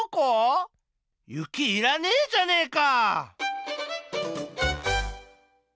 雪いらねえじゃねえか！